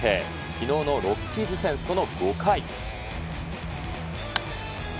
きのうのロッキーズ戦、その５回。